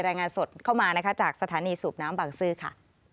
รายงานสดเข้ามานะคะจากสถานีสูบน้ำบางซื่อค่ะ